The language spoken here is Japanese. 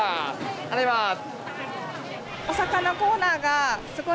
ありがとうございます。